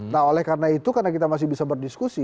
nah oleh karena itu karena kita masih bisa berdiskusi